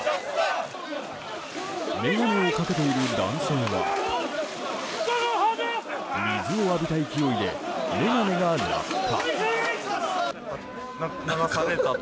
眼鏡をかけている男性は水を浴びた勢いで眼鏡が落下。